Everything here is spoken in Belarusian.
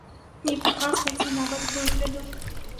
Не паказвайце нават выгляду.